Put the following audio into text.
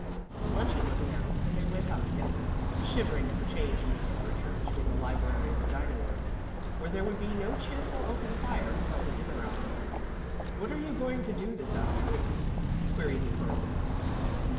Luncheon was announced and they went out together, shivering at the change in temperature between the library and the dining room, where there would be no cheerful open fire until the dinner hour. "What are you going to do this afternoon?" queried the Colonel.